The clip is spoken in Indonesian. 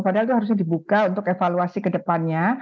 padahal itu harusnya dibuka untuk evaluasi ke depannya